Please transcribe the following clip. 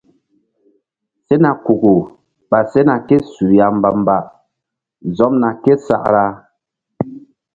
Sena kuku ɓa sena ké su ya mbamba zomna ké sakra.